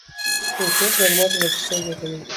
انټرنېټ معلوماتو ته لاسرسی زیاتوي.